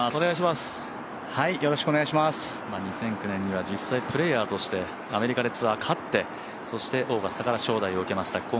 ２００９年には、実際プレーヤーとしてアメリカでツアー勝ってそして、オーガスタから招待を受けました